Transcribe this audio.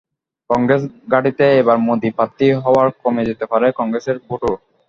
কংগ্রেস ঘাঁটিতে এবার মোদি প্রার্থী হাওয়ায় কমে যেতে পারে কংগ্রেসের ভোটও।